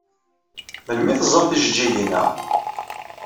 Melmi ay teẓẓam tijeǧǧigin-a?